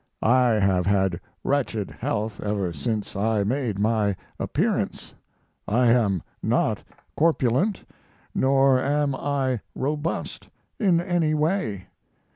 I have had wretched health ever since I made my appearance... I am not corpulent, nor am I robust in any way.